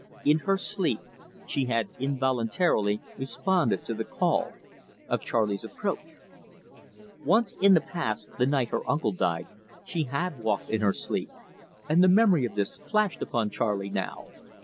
In her sleep she had involuntarily responded to the call of Charley's approach. Once, in the past, the night her uncle died, she had walked in her sleep, and the memory of this flashed upon Charley now.